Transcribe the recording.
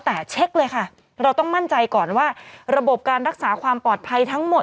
แต่เช็คเลยค่ะเราต้องมั่นใจก่อนว่าระบบการรักษาความปลอดภัยทั้งหมด